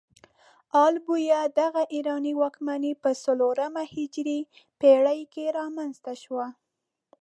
ال بویه دغه ایراني واکمنۍ په څلورمه هجري پيړۍ کې رامنځته شوه.